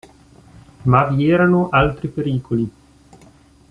Ma vi erano altri pericoli.